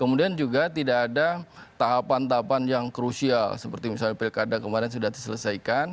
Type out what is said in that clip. kemudian juga tidak ada tahapan tahapan yang krusial seperti misalnya pilkada kemarin sudah diselesaikan